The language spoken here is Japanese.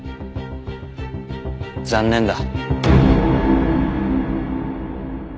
残念だ。